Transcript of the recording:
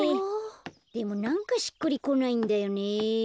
でもなんかしっくりこないんだよね。